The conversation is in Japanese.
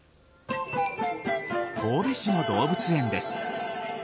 神戸市の動物園です。